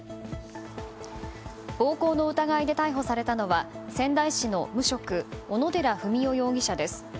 暴行の疑いで逮捕されたのは仙台市の無職小野寺富美男容疑者です。